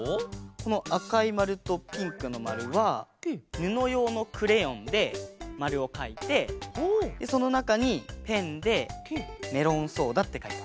このあかいまるとピンクのまるはぬのようのクレヨンでまるをかいてでそのなかにペンで「メロンソーダ」ってかいた。